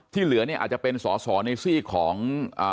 ที่เหลือเนี่ยอาจจะเป็นส่อในสิ่งของ